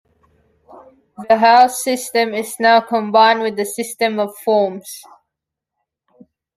The house system is now combined with the system of forms.